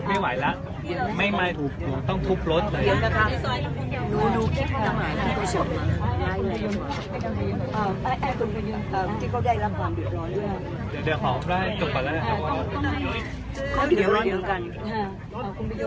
หน่วยงานของรัฐแล้วก็